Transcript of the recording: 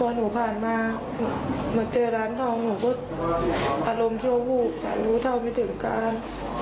พอผมก็ผ่านมาเมื่อเจอร้านทองอารมณ์ชั่ววูบหนูเท่าไปถึงการ